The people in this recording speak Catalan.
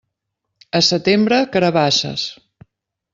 A setembre, carabasses.